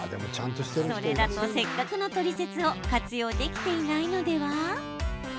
それだとせっかくのトリセツを活用できていないのでは？